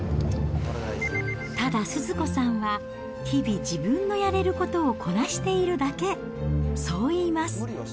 ただ、スズ子さんは日々、自分のやれることをこなしているだけ、そう言います。